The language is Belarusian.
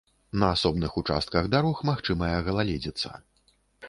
На асобных участках дарог магчымая галаледзіца.